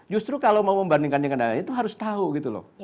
justru kalau mau membandingkan dengan itu harus tahu gitu loh